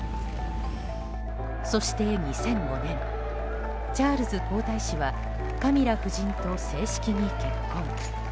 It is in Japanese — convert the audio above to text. そして２００５年チャールズ皇太子はカミラ夫人と正式に結婚。